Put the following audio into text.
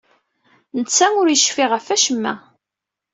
Netta ur yecfi ɣef wacemma.